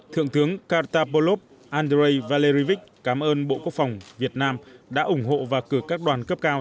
thượng tướng katabolov andrei valerivich cảm ơn bộ quốc phòng việt nam đã ủng hộ và cử các đoàn cấp cao